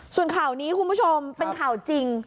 ส่วนข่าวนี้คุณผู้ชมเป็นข่าวจริง